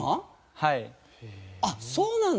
はい。